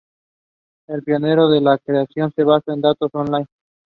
Each performance is ranked in two parts.